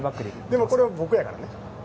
でもこれは僕やから。